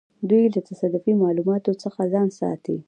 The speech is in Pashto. دوی له تصادفي معاملو څخه ځان ساتي.